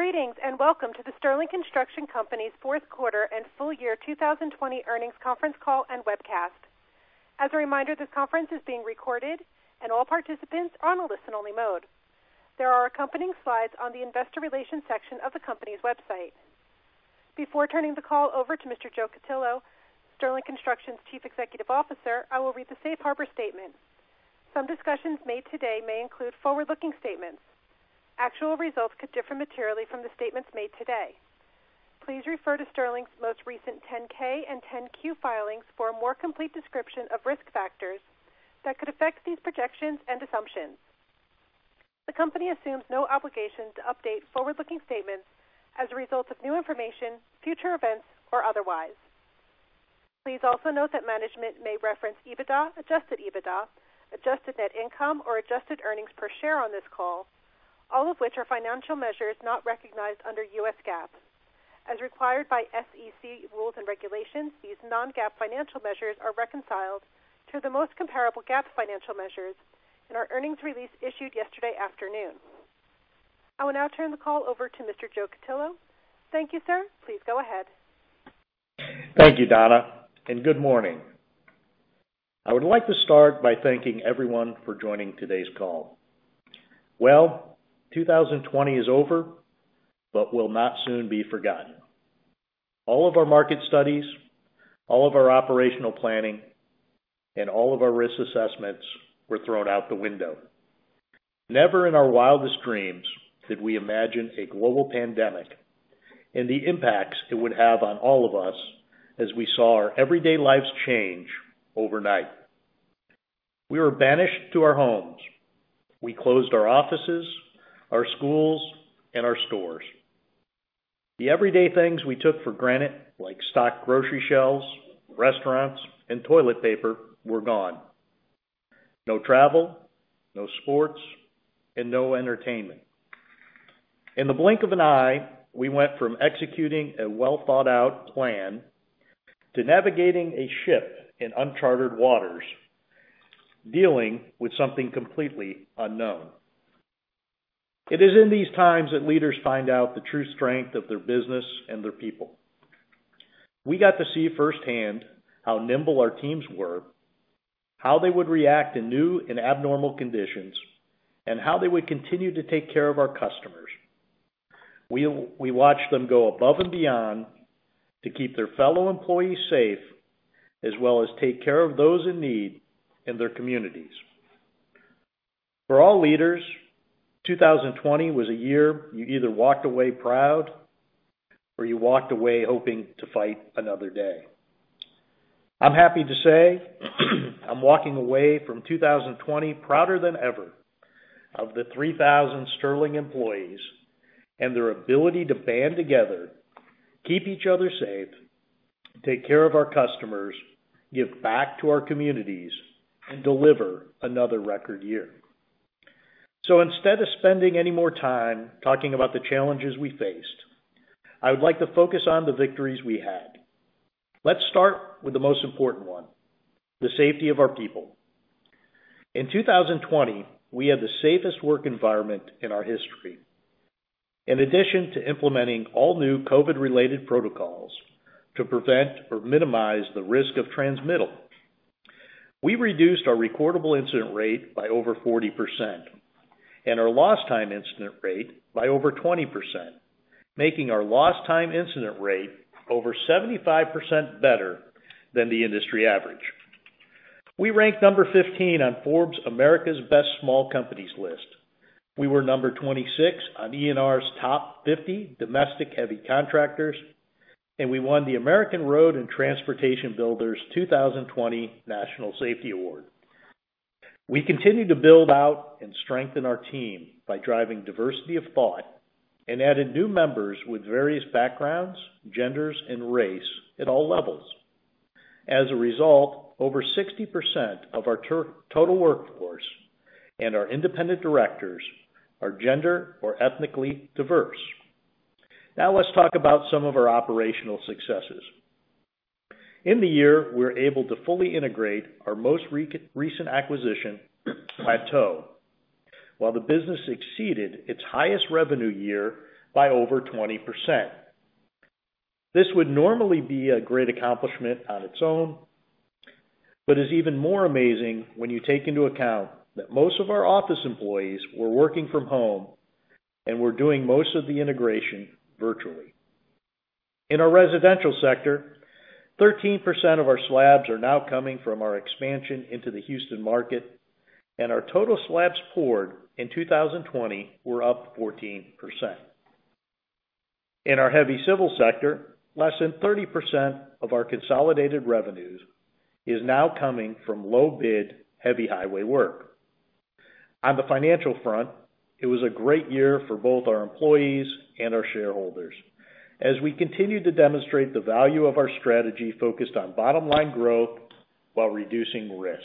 Greetings and welcome to the Sterling Construction Company's fourth quarter and full year 2020 earnings conference call and webcast. As a reminder, this conference is being recorded, and all participants are on a listen-only mode. There are accompanying slides on the investor relations section of the company's website. Before turning the call over to Mr. Joe Cutillo, Sterling Construction's Chief Executive Officer, I will read the safe harbor statement. Some discussions made today may include forward-looking statements. Actual results could differ materially from the statements made today. Please refer to Sterling's most recent 10-K and 10-Q filings for a more complete description of risk factors that could affect these projections and assumptions. The company assumes no obligation to update forward-looking statements as a result of new information, future events, or otherwise. Please also note that management may reference EBITDA, adjusted EBITDA, adjusted net income, or adjusted earnings per share on this call, all of which are financial measures not recognized under U.S. GAAP. As required by SEC rules and regulations, these non-GAAP financial measures are reconciled to the most comparable GAAP financial measures in our earnings release issued yesterday afternoon. I will now turn the call over to Mr. Joe Cutillo. Thank you, sir. Please go ahead. Thank you, Donna, and good morning. I would like to start by thanking everyone for joining today's call. 2020 is over, but will not soon be forgotten. All of our market studies, all of our operational planning, and all of our risk assessments were thrown out the window. Never in our wildest dreams did we imagine a global pandemic and the impacts it would have on all of us as we saw our everyday lives change overnight. We were banished to our homes. We closed our offices, our schools, and our stores. The everyday things we took for granted, like stock grocery shelves, restaurants, and toilet paper, were gone. No travel, no sports, and no entertainment. In the blink of an eye, we went from executing a well-thought-out plan to navigating a ship in unchartered waters, dealing with something completely unknown. It is in these times that leaders find out the true strength of their business and their people. We got to see firsthand how nimble our teams were, how they would react in new and abnormal conditions, and how they would continue to take care of our customers. We watched them go above and beyond to keep their fellow employees safe, as well as take care of those in need in their communities. For all leaders, 2020 was a year you either walked away proud or you walked away hoping to fight another day. I'm happy to say I'm walking away from 2020 prouder than ever of the 3,000 Sterling employees and their ability to band together, keep each other safe, take care of our customers, give back to our communities, and deliver another record year. Instead of spending any more time talking about the challenges we faced, I would like to focus on the victories we had. Let's start with the most important one: the safety of our people. In 2020, we had the safest work environment in our history. In addition to implementing all new COVID-related protocols to prevent or minimize the risk of transmittal, we reduced our recordable incident rate by over 40% and our lost-time incident rate by over 20%, making our lost-time incident rate over 75% better than the industry average. We ranked number 15 on Forbes' America's Best Small Companies list. We were number 26 on ENR's top 50 domestic heavy contractors, and we won the American Road and Transportation Builders 2020 National Safety Award. We continue to build out and strengthen our team by driving diversity of thought and adding new members with various backgrounds, genders, and race at all levels. As a result, over 60% of our total workforce and our independent directors are gender or ethnically diverse. Now let's talk about some of our operational successes. In the year, we were able to fully integrate our most recent acquisition, Plateau, while the business exceeded its highest revenue year by over 20%. This would normally be a great accomplishment on its own, but is even more amazing when you take into account that most of our office employees were working from home and were doing most of the integration virtually. In our residential sector, 13% of our slabs are now coming from our expansion into the Houston market, and our total slabs poured in 2020 were up 14%. In our heavy civil sector, less than 30% of our consolidated revenues is now coming from low-bid heavy highway work. On the financial front, it was a great year for both our employees and our shareholders as we continued to demonstrate the value of our strategy focused on bottom-line growth while reducing risk.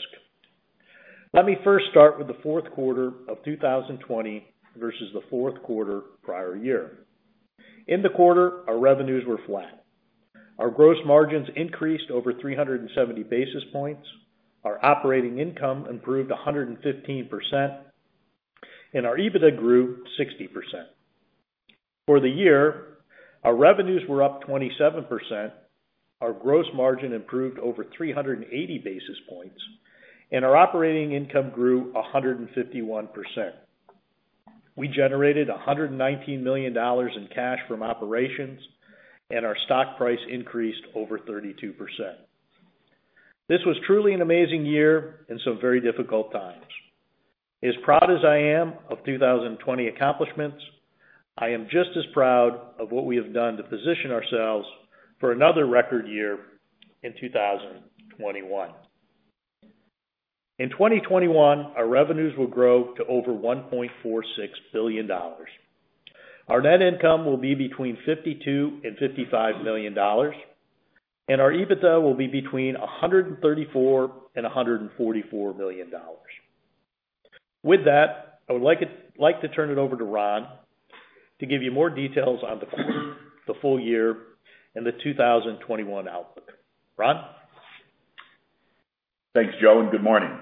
Let me first start with the fourth quarter of 2020 versus the fourth quarter prior year. In the quarter, our revenues were flat. Our gross margins increased over 370 basis points. Our operating income improved 115%, and our EBITDA grew 60%. For the year, our revenues were up 27%. Our gross margin improved over 380 basis points, and our operating income grew 151%. We generated $119 million in cash from operations, and our stock price increased over 32%. This was truly an amazing year in some very difficult times. As proud as I am of 2020 accomplishments, I am just as proud of what we have done to position ourselves for another record year in 2021. In 2021, our revenues will grow to over $1.46 billion. Our net income will be between $52 million and $55 million, and our EBITDA will be between $134 million and $144 million. With that, I would like to turn it over to Ron to give you more details on the full year and the 2021 outlook. Ron? Thanks, Joe, and good morning.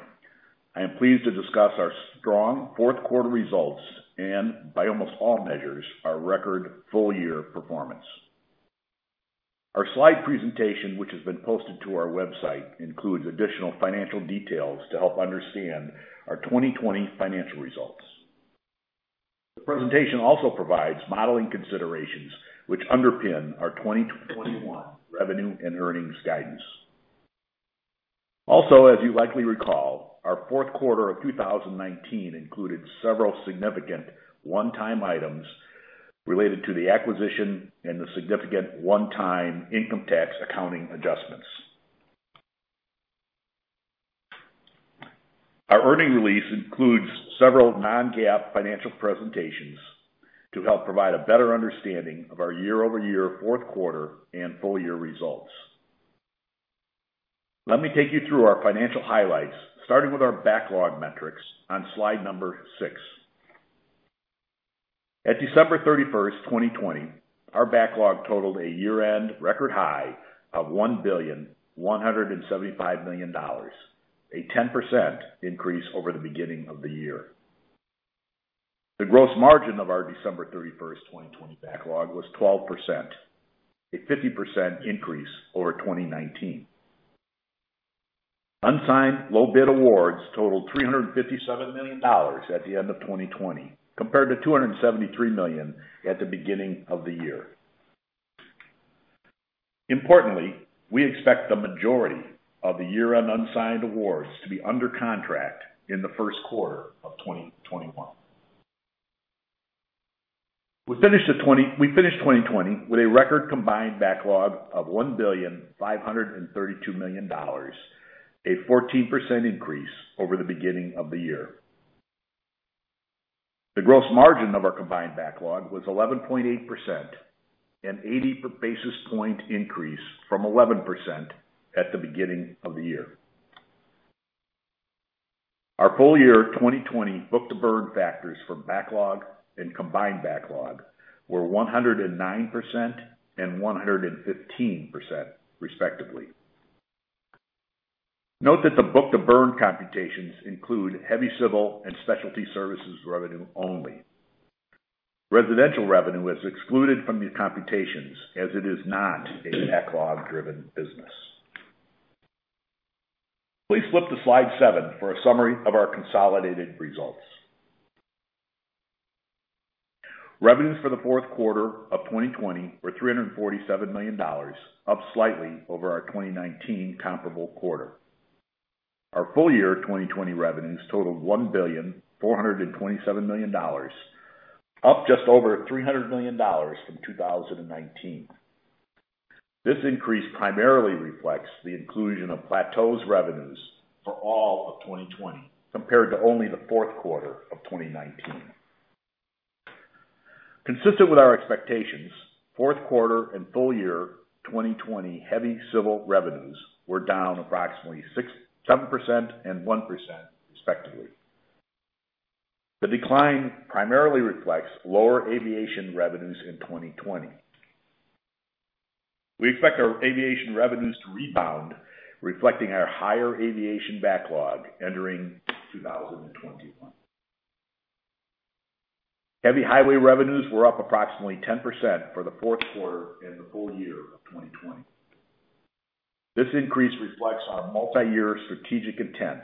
I am pleased to discuss our strong fourth quarter results and, by almost all measures, our record full year performance. Our slide presentation, which has been posted to our website, includes additional financial details to help understand our 2020 financial results. The presentation also provides modeling considerations which underpin our 2021 revenue and earnings guidance. Also, as you likely recall, our fourth quarter of 2019 included several significant one-time items related to the acquisition and the significant one-time income tax accounting adjustments. Our earnings release includes several non-GAAP financial presentations to help provide a better understanding of our year-over-year fourth quarter and full year results. Let me take you through our financial highlights, starting with our backlog metrics on slide number six. At December 31st, 2020, our backlog totaled a year-end record high of $1.175 billion, a 10% increase over the beginning of the year. The gross margin of our December 31st, 2020 backlog was 12%, a 50% increase over 2019. Unsigned low-bid awards totaled $357 million at the end of 2020, compared to $273 million at the beginning of the year. Importantly, we expect the majority of the year-end unsigned awards to be under contract in the first quarter of 2021. We finished 2020 with a record combined backlog of $1.532 billion, a 14% increase over the beginning of the year. The gross margin of our combined backlog was 11.8%, an 80 basis point increase from 11% at the beginning of the year. Our full year 2020 book-to-burn factors for backlog and combined backlog were 109% and 115%, respectively. Note that the book-to-burn computations include heavy civil and specialty services revenue only. Residential revenue is excluded from these computations as it is not a backlog-driven business. Please flip to slide seven for a summary of our consolidated results. Revenues for the fourth quarter of 2020 were $347 million, up slightly over our 2019 comparable quarter. Our full year 2020 revenues totaled $1.427 billion, up just over $300 million from 2019. This increase primarily reflects the inclusion of Plateau's revenues for all of 2020, compared to only the fourth quarter of 2019. Consistent with our expectations, fourth quarter and full year 2020 heavy civil revenues were down approximately 7% and 1%, respectively. The decline primarily reflects lower aviation revenues in 2020. We expect our aviation revenues to rebound, reflecting our higher aviation backlog entering 2021. Heavy highway revenues were up approximately 10% for the fourth quarter and the full year of 2020. This increase reflects our multi-year strategic intent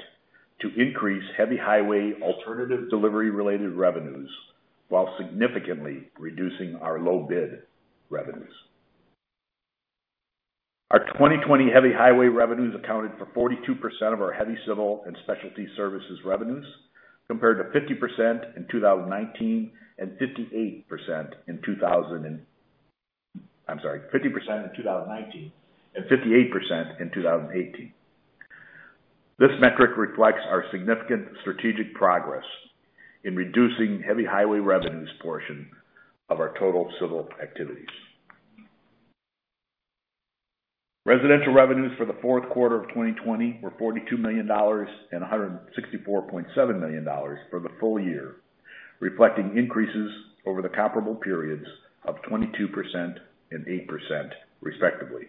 to increase heavy highway alternative delivery-related revenues while significantly reducing our low-bid revenues. Our 2020 heavy highway revenues accounted for 42% of our heavy civil and specialty services revenues, compared to 50% in 2019 and 58% in 2018. This metric reflects our significant strategic progress in reducing heavy highway revenues portion of our total civil activities. Residential revenues for the fourth quarter of 2020 were $42 million and $164.7 million for the full year, reflecting increases over the comparable periods of 22% and 8%, respectively.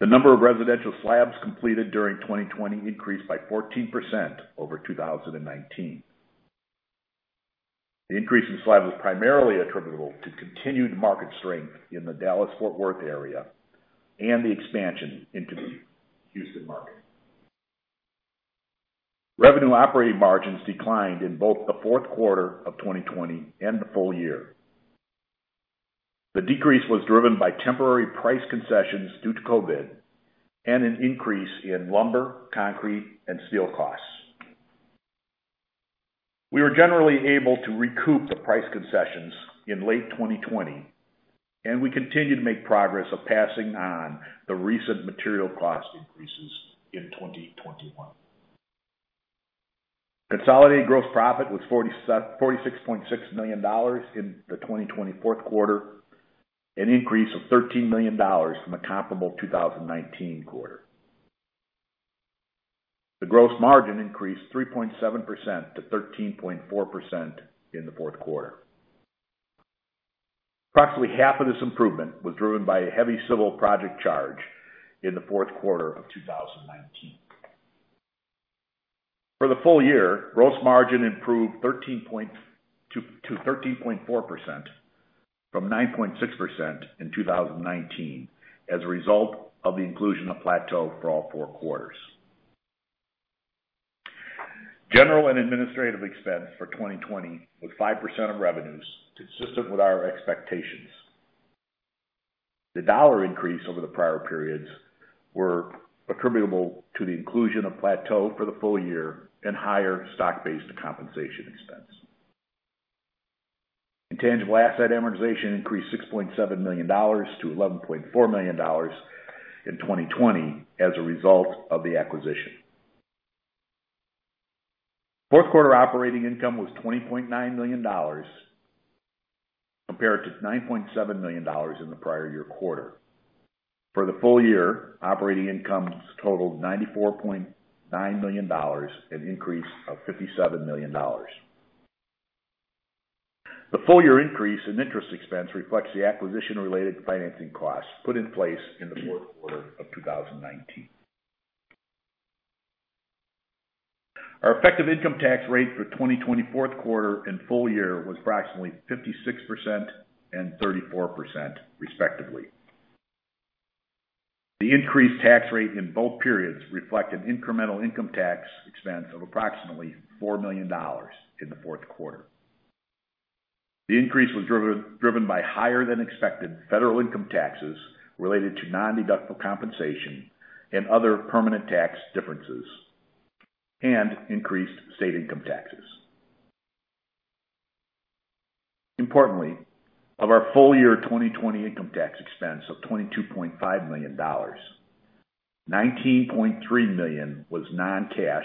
The number of residential slabs completed during 2020 increased by 14% over 2019. The increase in slabs was primarily attributable to continued market strength in the Dallas-Fort Worth area and the expansion into the Houston market. Revenue operating margins declined in both the fourth quarter of 2020 and the full year. The decrease was driven by temporary price concessions due to COVID and an increase in lumber, concrete, and steel costs. We were generally able to recoup the price concessions in late 2020, and we continued to make progress of passing on the recent material cost increases in 2021. Consolidated gross profit was $46.6 million in the 2020 fourth quarter, an increase of $13 million from a comparable 2019 quarter. The gross margin increased 3.7% to 13.4% in the fourth quarter. Approximately half of this improvement was driven by heavy civil project charge in the fourth quarter of 2019. For the full year, gross margin improved to 13.4% from 9.6% in 2019 as a result of the inclusion of Plateau for all four quarters. General and administrative expense for 2020 was 5% of revenues, consistent with our expectations. The dollar increase over the prior periods was attributable to the inclusion of Plateau for the full year and higher stock-based compensation expense. Intangible asset amortization increased $6.7 million to $11.4 million in 2020 as a result of the acquisition. Fourth quarter operating income was $20.9 million, compared to $9.7 million in the prior year quarter. For the full year, operating income totaled $94.9 million, an increase of $57 million. The full year increase in interest expense reflects the acquisition-related financing costs put in place in the fourth quarter of 2019. Our effective income tax rate for 2020 fourth quarter and full year was approximately 56% and 34%, respectively. The increased tax rate in both periods reflected incremental income tax expense of approximately $4 million in the fourth quarter. The increase was driven by higher-than-expected federal income taxes related to non-deductible compensation and other permanent tax differences and increased state income taxes. Importantly, of our full year 2020 income tax expense of $22.5 million, $19.3 million was non-cash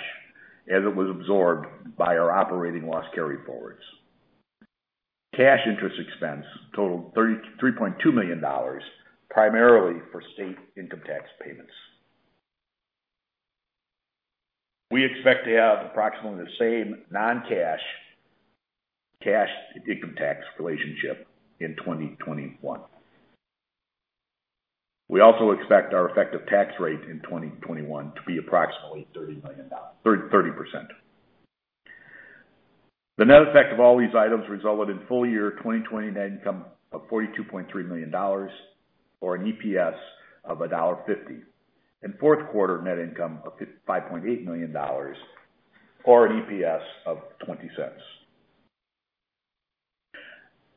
as it was absorbed by our operating loss carry forwards. Cash interest expense totaled $3.2 million, primarily for state income tax payments. We expect to have approximately the same non-cash-cash income tax relationship in 2021. We also expect our effective tax rate in 2021 to be approximately 30%. The net effect of all these items resulted in full year 2020 net income of $42.3 million or an EPS of $1.50, and fourth quarter net income of $5.8 million or an EPS of $0.20.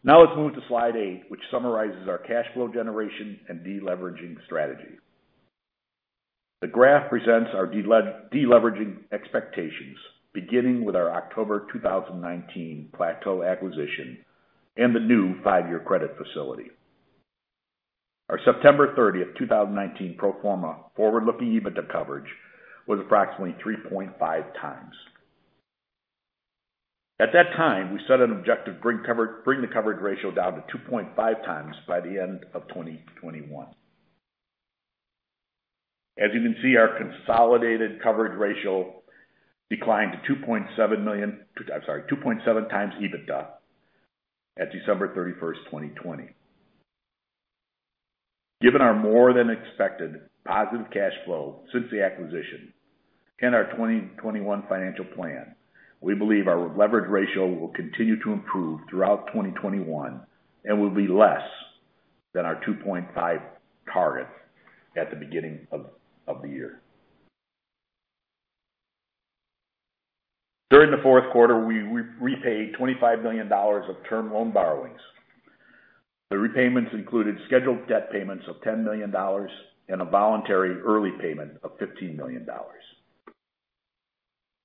Now let's move to slide eight, which summarizes our cash flow generation and deleveraging strategy. The graph presents our deleveraging expectations, beginning with our October 2019 Plateau acquisition and the new five-year credit facility. Our September 30th, 2019 pro forma forward-looking EBITDA coverage was approximately 3.5 times. At that time, we set an objective to bring the coverage ratio down to 2.5x by the end of 2021. As you can see, our consolidated coverage ratio declined to 2.7x EBITDA at December 31st, 2020. Given our more than expected positive cash flow since the acquisition and our 2021 financial plan, we believe our leverage ratio will continue to improve throughout 2021 and will be less than our 2.5 target at the beginning of the year. During the fourth quarter, we repaid $25 million of term loan borrowings. The repayments included scheduled debt payments of $10 million and a voluntary early payment of $15 million.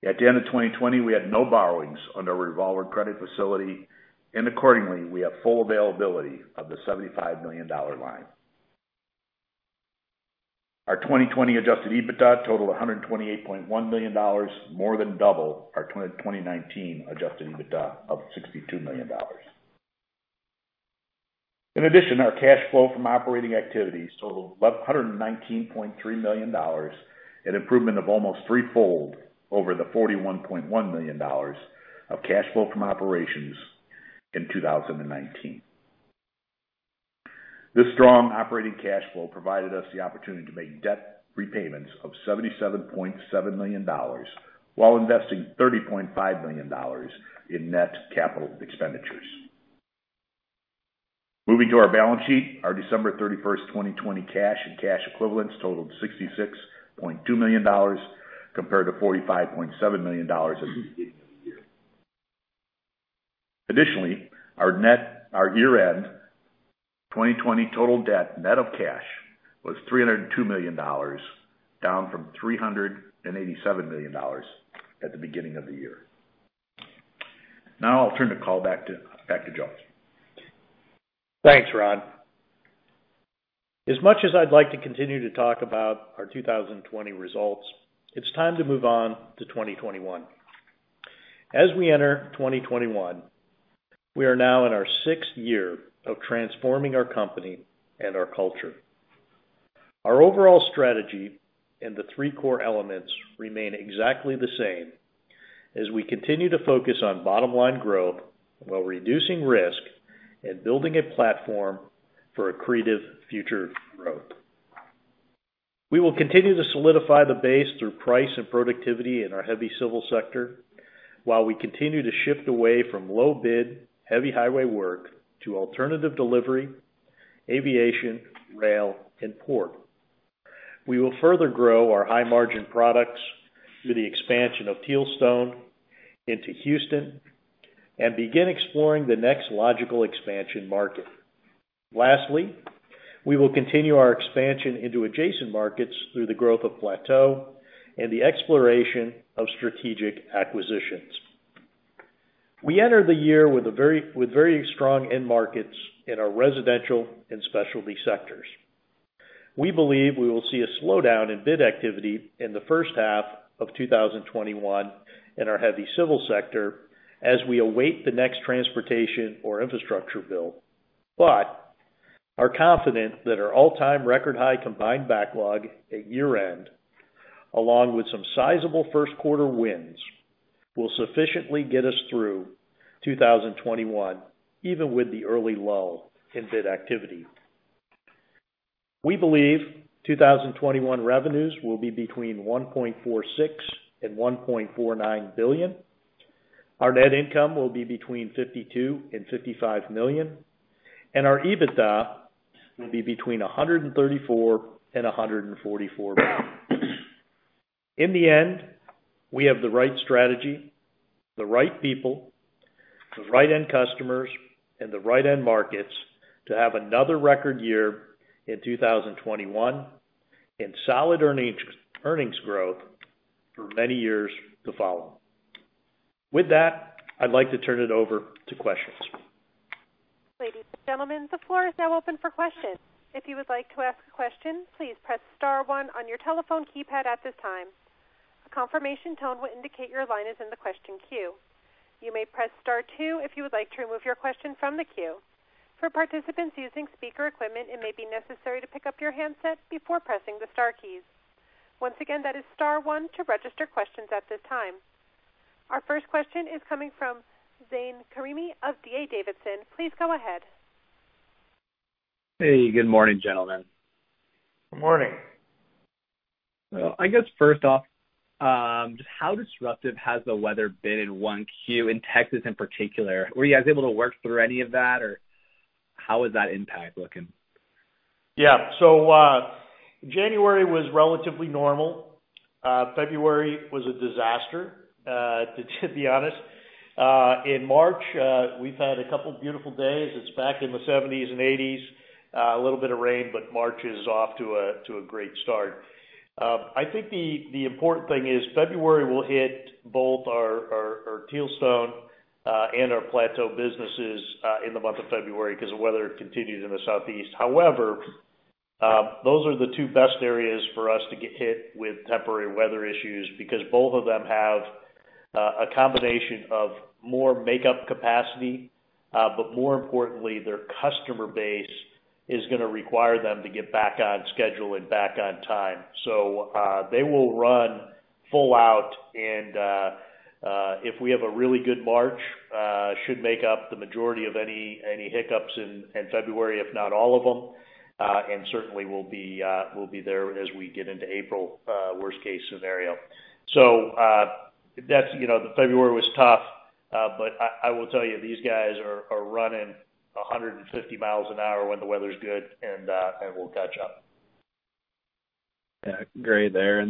At the end of 2020, we had no borrowings under our revolving credit facility, and accordingly, we have full availability of the $75 million line. Our 2020 adjusted EBITDA totaled $128.1 million, more than double our 2019 adjusted EBITDA of $62 million. In addition, our cash flow from operating activities totaled $119.3 million and improvement of almost threefold over the $41.1 million of cash flow from operations in 2019. This strong operating cash flow provided us the opportunity to make debt repayments of $77.7 million while investing $30.5 million in net capital expenditures. Moving to our balance sheet, our December 31st, 2020 cash and cash equivalents totaled $66.2 million, compared to $45.7 million at the beginning of the year. Additionally, our year-end 2020 total debt net of cash was $302 million, down from $387 million at the beginning of the year. Now I'll turn the call back to Joe. Thanks, Ron. As much as I'd like to continue to talk about our 2020 results, it's time to move on to 2021. As we enter 2021, we are now in our sixth year of transforming our company and our culture. Our overall strategy and the three core elements remain exactly the same as we continue to focus on bottom-line growth while reducing risk and building a platform for accretive future growth. We will continue to solidify the base through price and productivity in our heavy civil sector while we continue to shift away from low-bid heavy highway work to alternative delivery, aviation, rail, and port. We will further grow our high-margin products through the expansion of Tealstone into Houston and begin exploring the next logical expansion market. Lastly, we will continue our expansion into adjacent markets through the growth of Plateau and the exploration of strategic acquisitions. We entered the year with very strong end markets in our residential and specialty sectors. We believe we will see a slowdown in bid activity in the first half of 2021 in our heavy civil sector as we await the next transportation or infrastructure bill. We are confident that our all-time record-high combined backlog at year-end, along with some sizable first quarter wins, will sufficiently get us through 2021, even with the early lull in bid activity. We believe 2021 revenues will be between $1.46 billion and $1.49 billion. Our net income will be between $52 million and $55 million, and our EBITDA will be between $134 million and $144 million. In the end, we have the right strategy, the right people, the right end customers, and the right end markets to have another record year in 2021 and solid earnings growth for many years to follow. With that, I'd like to turn it over to questions. Ladies and gentlemen, the floor is now open for questions. If you would like to ask a question, please press star one on your telephone keypad at this time. A confirmation tone will indicate your line is in the question queue. You may press star two if you would like to remove your question from the queue. For participants using speaker equipment, it may be necessary to pick up your handset before pressing the star keys. Once again, that is star one to register questions at this time. Our first question is coming from Zane Karimi of D.A. Davidson. Please go ahead. Hey, good morning, gentlemen. Good morning. I guess first off, how disruptive has the weather been in 1Q in Texas in particular? Were you guys able to work through any of that, or how was that impact looking? Yeah. January was relatively normal. February was a disaster, to be honest. In March, we've had a couple of beautiful days. It's back in the 70s and 80s, a little bit of rain, but March is off to a great start. I think the important thing is February will hit both our Tealstone and our Plateau businesses in the month of February because the weather continues in the southeast. However, those are the two best areas for us to get hit with temporary weather issues because both of them have a combination of more makeup capacity, but more importantly, their customer base is going to require them to get back on schedule and back on time. They will run full out, and if we have a really good March, it should make up the majority of any hiccups in February, if not all of them, and certainly will be there as we get into April, worst-case scenario. February was tough, but I will tell you, these guys are running 150 mi an hour when the weather's good, and we'll catch up. Yeah, great there.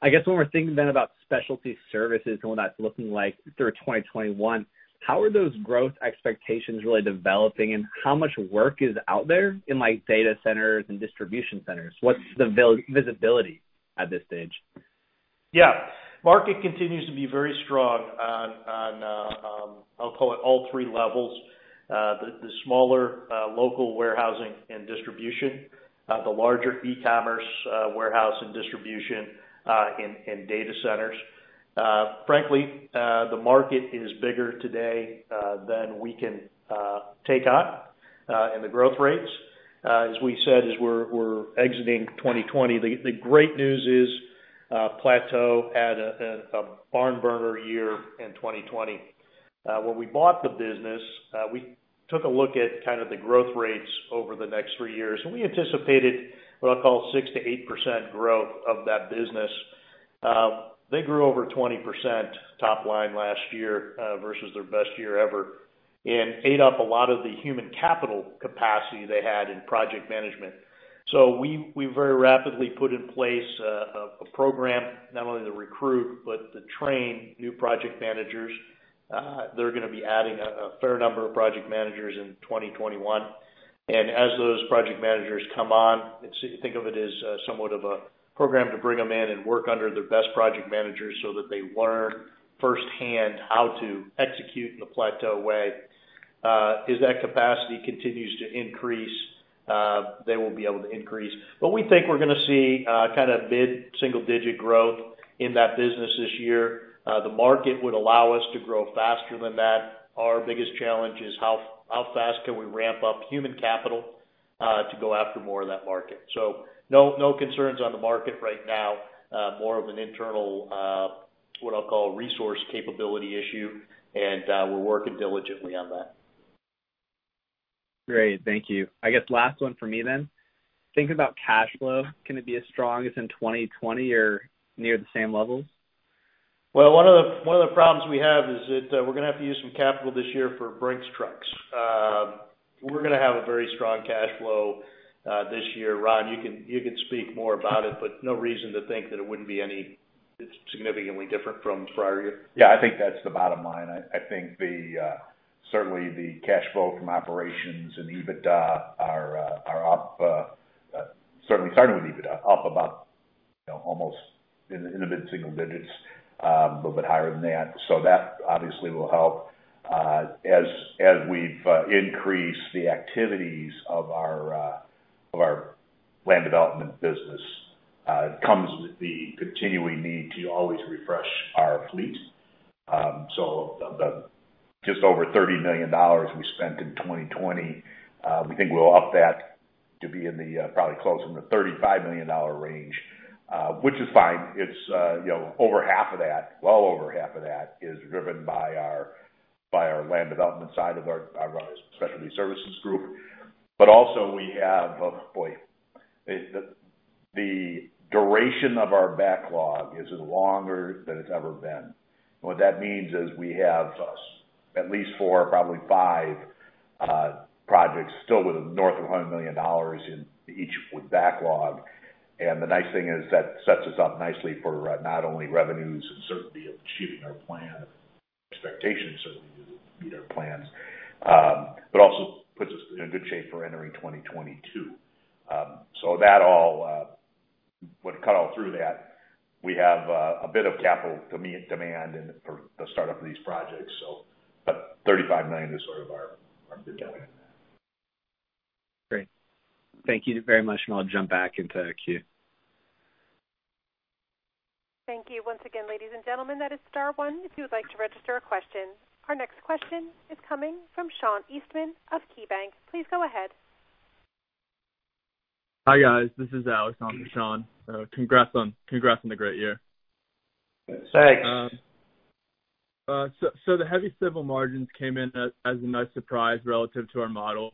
I guess when we're thinking then about specialty services and what that's looking like through 2021, how are those growth expectations really developing, and how much work is out there in data centers and distribution centers? What's the visibility at this stage? Yeah. Market continues to be very strong on, I'll call it, all three levels: the smaller local warehousing and distribution, the larger e-commerce warehouse and distribution, and data centers. Frankly, the market is bigger today than we can take on in the growth rates. As we said, as we're exiting 2020, the great news is Plateau had a barn burner year in 2020. When we bought the business, we took a look at kind of the growth rates over the next three years, and we anticipated what I'll call 6-8% growth of that business. They grew over 20% top line last year versus their best year ever and ate up a lot of the human capital capacity they had in project management. We very rapidly put in place a program, not only to recruit, but to train new project managers. They're going to be adding a fair number of project managers in 2021. As those project managers come on, think of it as somewhat of a program to bring them in and work under their best project managers so that they learn firsthand how to execute in the Plateau way. As that capacity continues to increase, they will be able to increase. We think we're going to see kind of mid-single-digit growth in that business this year. The market would allow us to grow faster than that. Our biggest challenge is how fast can we ramp up human capital to go after more of that market. No concerns on the market right now, more of an internal, what I'll call, resource capability issue, and we're working diligently on that. Great. Thank you. I guess last one for me then. Thinking about cash flow, can it be as strong as in 2020 or near the same levels? One of the problems we have is that we're going to have to use some capital this year for Brink's trucks. We're going to have a very strong cash flow this year. Ron, you could speak more about it, but no reason to think that it wouldn't be any significantly different from prior year. Yeah, I think that's the bottom line. I think certainly the cash flow from operations and EBITDA are up, certainly starting with EBITDA, up about almost in the mid-single digits, a little bit higher than that. That obviously will help as we've increased the activities of our land development business. It comes with the continuing need to always refresh our fleet. Just over $30 million we spent in 2020, we think we'll up that to be in the probably close in the $35 million range, which is fine. It's over half of that, well over half of that, is driven by our land development side of our specialty services group. Also, we have, boy, the duration of our backlog is longer than it's ever been. What that means is we have at least four, probably five projects still with north of $100 million in each backlog. The nice thing is that sets us up nicely for not only revenues and certainty of achieving our plan, expectations certainly to meet our plans, but also puts us in good shape for entering 2022. That all would cut all through that. We have a bit of capital demand for the startup of these projects. About $35 million is sort of our midpoint. Great. Thank you very much, and I'll jump back into the queue. Thank you once again, ladies and gentlemen. That is star one. If you would like to register a question, our next question is coming from Sean Eastman of KeyBank. Please go ahead. Hi guys. This is Alex on Sean. Congrats on the great year. Thanks. The heavy civil margins came in as a nice surprise relative to our model.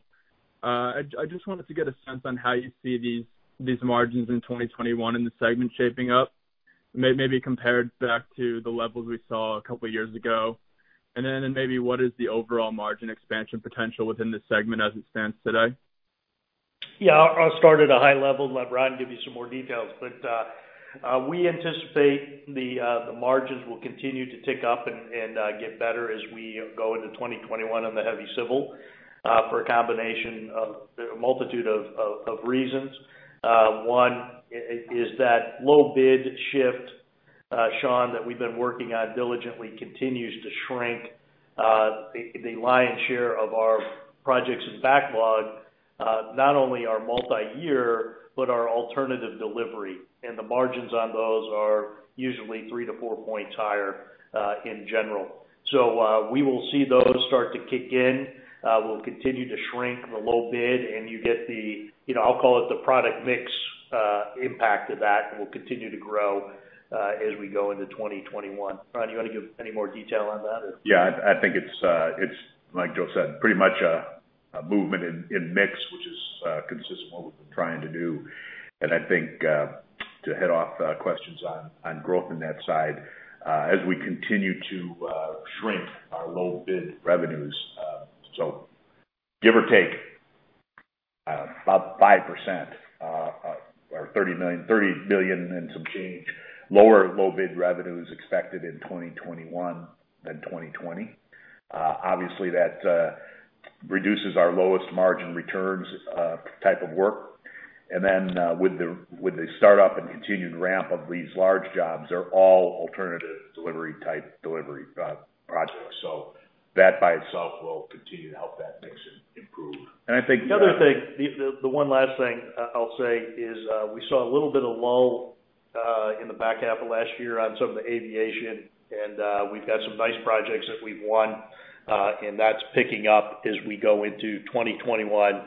I just wanted to get a sense on how you see these margins in 2021 and the segment shaping up, maybe compared back to the levels we saw a couple of years ago. Maybe what is the overall margin expansion potential within the segment as it stands today? Yeah. I'll start at a high level. Let Ron give you some more details. We anticipate the margins will continue to tick up and get better as we go into 2021 on the heavy civil for a combination of a multitude of reasons. One is that low-bid shift, Sean, that we've been working on diligently continues to shrink the lion's share of our projects and backlog, not only our multi-year, but our alternative delivery. The margins on those are usually three to four points higher in general. We will see those start to kick in. We'll continue to shrink the low bid, and you get the, I'll call it the product mix impact of that. We'll continue to grow as we go into 2021. Ron, do you want to give any more detail on that? Yeah. I think it's, like Joe said, pretty much a movement in mix, which is consistent with what we've been trying to do. I think to head off questions on growth on that side as we continue to shrink our low-bid revenues. Give or take about 5%, or $3 billion and some change, lower low-bid revenues expected in 2021 than 2020. Obviously, that reduces our lowest margin returns type of work. With the startup and continued ramp of these large jobs, they're all alternative delivery type delivery projects. That by itself will continue to help that mix improve. I think the other thing, the one last thing I'll say is we saw a little bit of lull in the back half of last year on some of the aviation, and we've got some nice projects that we've won, and that's picking up as we go into 2021.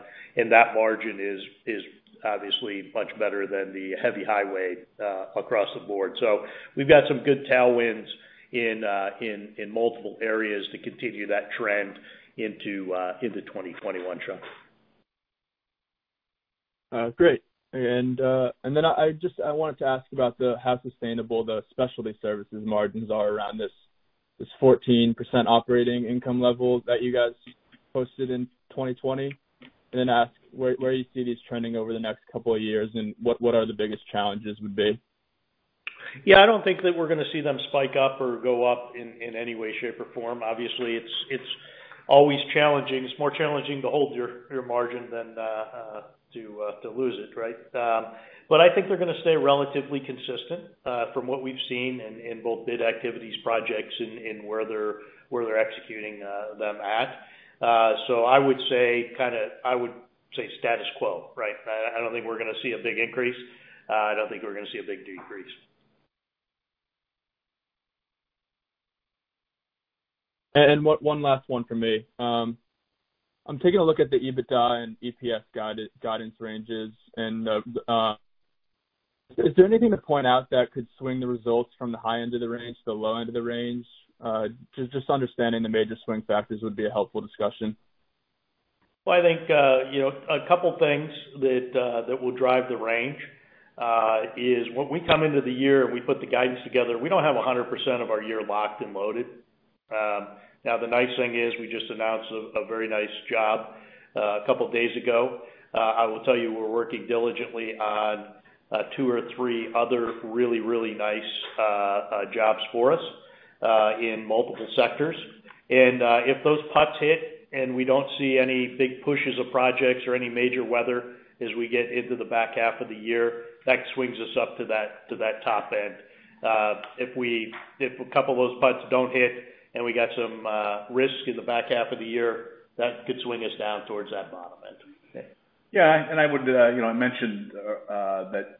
That margin is obviously much better than the heavy highway across the board. We've got some good tailwinds in multiple areas to continue that trend into 2021, Sean. Great. I just wanted to ask about how sustainable the specialty services margins are around this 14% operating income level that you guys posted in 2020, and then ask where you see these trending over the next couple of years and what the biggest challenges would be. Yeah. I don't think that we're going to see them spike up or go up in any way, shape, or form. Obviously, it's always challenging. It's more challenging to hold your margin than to lose it, right? But I think they're going to stay relatively consistent from what we've seen in both bid activities, projects, and where they're executing them at. I would say kind of, I would say status quo, right? I don't think we're going to see a big increase. I don't think we're going to see a big decrease. And one last one for me. I'm taking a look at the EBITDA and EPS guidance ranges, and is there anything to point out that could swing the results from the high end of the range to the low end of the range? Just understanding the major swing factors would be a helpful discussion. I think a couple of things that will drive the range is when we come into the year and we put the guidance together, we don't have 100% of our year locked and loaded. Now, the nice thing is we just announced a very nice job a couple of days ago. I will tell you we're working diligently on two or three other really, really nice jobs for us in multiple sectors. If those putts hit and we don't see any big pushes of projects or any major weather as we get into the back half of the year, that swings us up to that top end. If a couple of those putts don't hit and we got some risk in the back half of the year, that could swing us down towards that bottom end. Yeah. I would mention that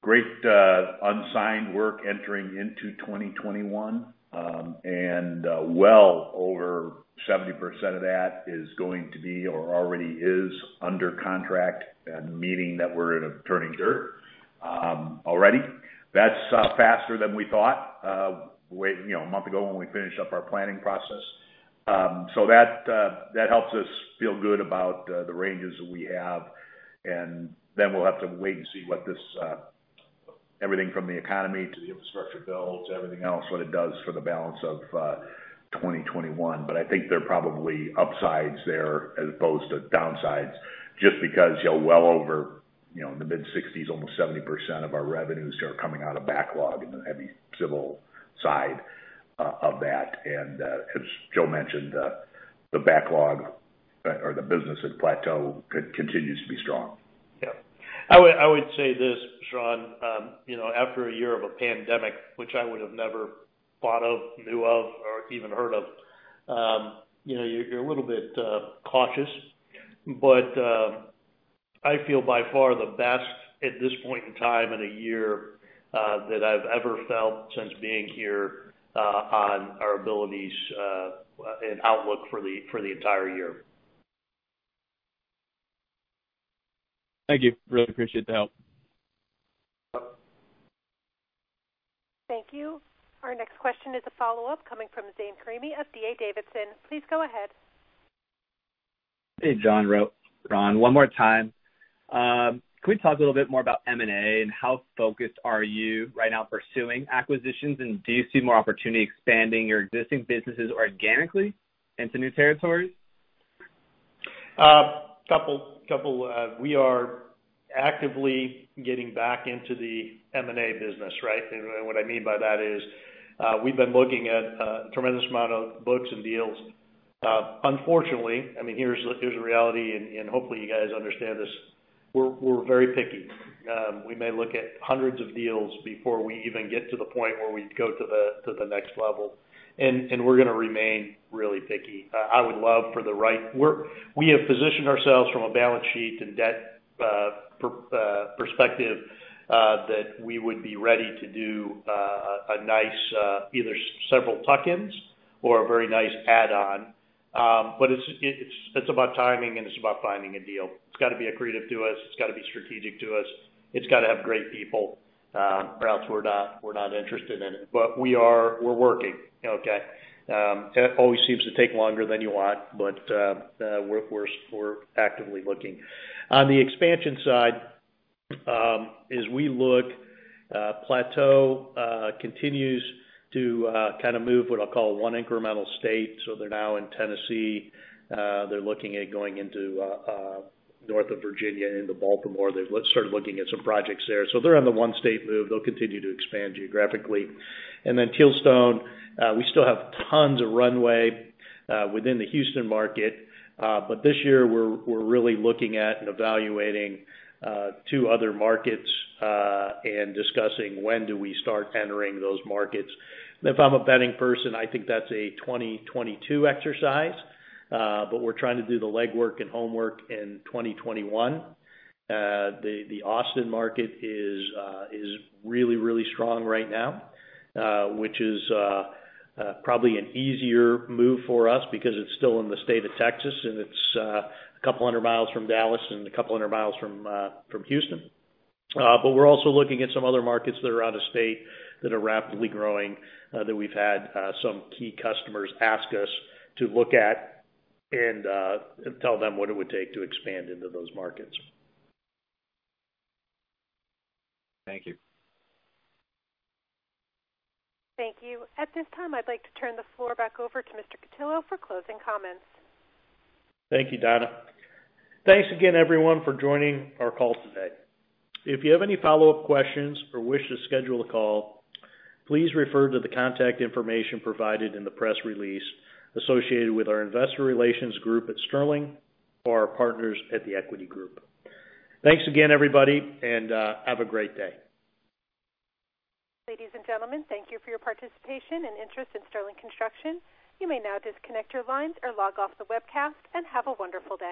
great unsigned work entering into 2021, and well over 70% of that is going to be or already is under contract, meaning that we're in a turning dirt already. That's faster than we thought a month ago when we finished up our planning process. That helps us feel good about the ranges that we have. We will have to wait and see what everything from the economy to the infrastructure bill to everything else does for the balance of 2021. I think there are probably upsides there as opposed to downsides just because well over the mid-60s, almost 70% of our revenues are coming out of backlog in the heavy civil side of that. As Joe mentioned, the backlog or the business at Plateau continues to be strong. Yeah. I would say this, Sean. After a year of a pandemic, which I would have never thought of, knew of, or even heard of, you're a little bit cautious. I feel by far the best at this point in time in a year that I've ever felt since being here on our abilities and outlook for the entire year. Thank you. Really appreciate the help. Thank you. Our next question is a follow-up coming from Zane Karimi of D.A. Davidson. Please go ahead. Hey, Joe. Ron, one more time. Can we talk a little bit more about M&A and how focused are you right now pursuing acquisitions? Do you see more opportunity expanding your existing businesses organically into new territories? We are actively getting back into the M&A business, right? What I mean by that is we've been looking at a tremendous amount of books and deals. Unfortunately, I mean, here's a reality, and hopefully you guys understand this. We're very picky. We may look at hundreds of deals before we even get to the point where we go to the next level. We're going to remain really picky. I would love for the right we have positioned ourselves from a balance sheet and debt perspective that we would be ready to do a nice either several tuck-ins or a very nice add-on. It is about timing, and it is about finding a deal. It has got to be accretive to us. It has got to be strategic to us. It has got to have great people or else we are not interested in it. We are working, okay? It always seems to take longer than you want, but we are actively looking. On the expansion side, as we look, Plateau continues to kind of move what I will call one incremental state. They are now in Tennessee. They are looking at going into north of Virginia into Baltimore. They are sort of looking at some projects there. They are on the one-state move. They will continue to expand geographically. Tealstone, we still have tons of runway within the Houston market. This year, we're really looking at and evaluating two other markets and discussing when we start entering those markets. If I'm a betting person, I think that's a 2022 exercise. We're trying to do the legwork and homework in 2021. The Austin market is really, really strong right now, which is probably an easier move for us because it's still in the state of Texas, and it's a couple hundred miles from Dallas and a couple hundred miles from Houston. We're also looking at some other markets that are out of state that are rapidly growing that we've had some key customers ask us to look at and tell them what it would take to expand into those markets. Thank you. Thank you. At this time, I'd like to turn the floor back over to Mr. Cutillo for closing comments. Thank you, Donna. Thanks again, everyone, for joining our call today. If you have any follow-up questions or wish to schedule a call, please refer to the contact information provided in the press release associated with our investor relations group at Sterling or our partners at the Equity Group. Thanks again, everybody, and have a great day. Ladies and gentlemen, thank you for your participation and interest in Sterling Infrastructure. You may now disconnect your lines or log off the webcast and have a wonderful day.